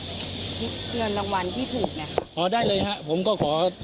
หลวงรางวัลที่ถูกนะครับอ๋อได้เลยฮะผมก็ขอ